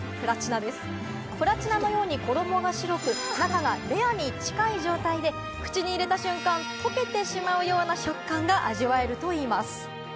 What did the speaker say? プラチナのように衣が白く、中がレアに近い状態で、口に入れた瞬間、溶けてしまうような食感が味わえるといいます。